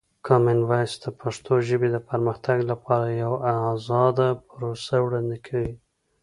کامن وایس د پښتو ژبې د پرمختګ لپاره یوه ازاده پروسه وړاندې کوي.